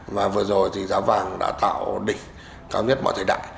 mà vừa rồi thì giá vàng đã tạo đỉnh cao nhất mọi thời đại